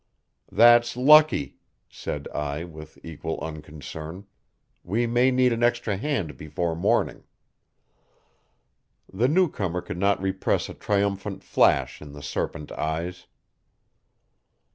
"That's lucky," said I with equal unconcern. "We may need an extra hand before morning." The new comer could not repress a triumphant flash in the serpent eyes.